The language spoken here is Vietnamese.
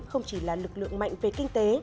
không chỉ là lực lượng mạnh về kinh tế